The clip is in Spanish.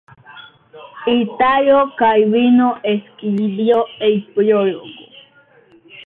Italo Calvino escribió el prólogo.